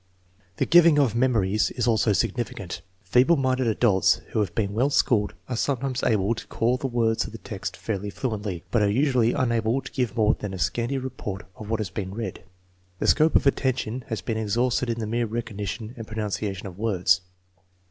The giving of memories is also significant. Feeble minded adults who have been well schooled are sometimes able to call the words of the text fairly fluently, but are usually unable to give more than a scanty report of what has been read. The scope of attention has been exhausted in the mere recognition and pronouncing of words.